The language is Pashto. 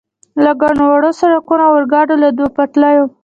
له ګڼو وړو سړکونو، د اورګاډي له دوو پټلیو.